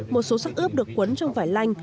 một số sắc ướp được quấn trong vải lanh